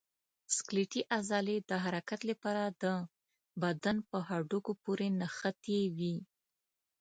سکلیټي عضلې د حرکت لپاره د بدن په هډوکو پورې نښتي دي.